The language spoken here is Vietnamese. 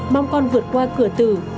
mong con vượt qua cửa tử